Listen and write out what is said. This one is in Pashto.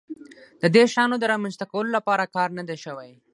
د دې شیانو د رامنځته کولو لپاره کار نه دی شوی.